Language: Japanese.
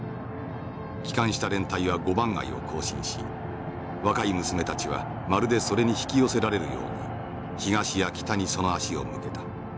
帰還した連隊は５番街を行進し若い娘たちはまるでそれに引き寄せられるように東や北にその足を向けた。